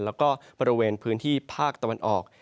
แล้วก็บริเวณพื้นที่ภาคตะวันออก